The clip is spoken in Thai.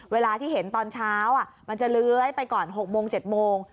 เวลาที่เห็นตอนเช้ามันจะเลื้อยไปก่อน๖โมง๗โมง